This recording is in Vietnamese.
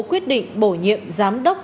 quyết định bổ nhiệm giám đốc